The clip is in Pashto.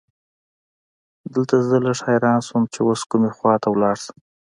دلته زه لږ حیران شوم چې اوس کومې خواته لاړ شم.